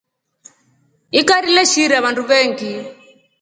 Ikari leshiira vandu veengi.